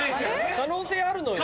可能性あるのよ。